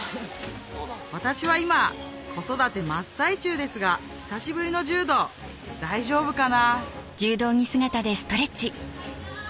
私は今子育て真っ最中ですが久しぶりの柔道大丈夫かな？